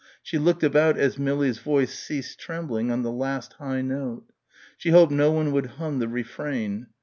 She looked about as Millie's voice ceased trembling on the last high note. She hoped no one would hum the refrain.